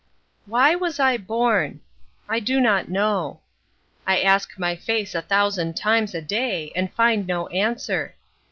Why was I born? I do not know. I ask my face a thousand times a day and find no answer.